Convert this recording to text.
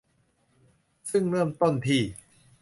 ซึ่งเริ่มต้นที่